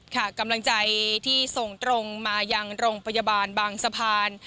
กำลังใจที่ส่งตรงมายังโรงพยาบาลบางสะพาน